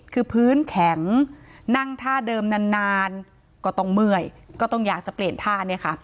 คือพื้นแข็งนั่งท่าเดิมนานก็ต้องเมื่อยก็ต้องอยากจะเปลี่ยนท่าเนี่ยค่ะ